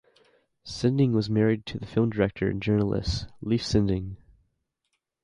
Sinding was married to the film director and journalist Leif Sinding.